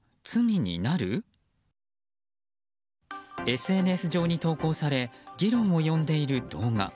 ＳＮＳ上に投稿され議論を呼んでいる動画。